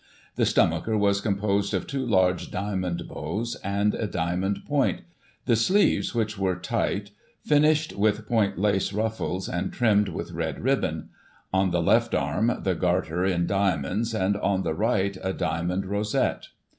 The stomacher was composed of two large diamond bows, and a diamond point ; the sleeves, which were tight, finished with point lace ruffles, and trimmed with red ribbon ; on the left arm, the Garter in diamonds, and, on the right, a diamond rosette.